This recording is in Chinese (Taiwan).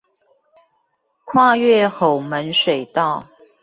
跨越吼門水道